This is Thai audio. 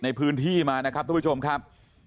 ในพื้นที่มานะครับทุกผู้ชมครับ